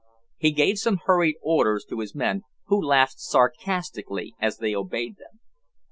He gave some hurried orders to his men, who laughed sarcastically as they obeyed them.